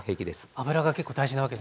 油が結構大事なわけですね。